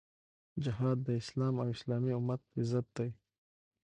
جهاد د اسلام او اسلامي امت عزت دی.